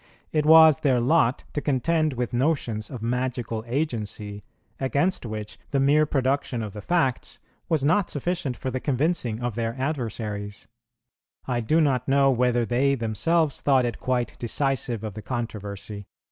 It was their lot to contend with notions of magical agency, against which the mere production of the facts was not sufficient for the convincing of their adversaries; I do not know whether they themselves thought it quite decisive of the controversy.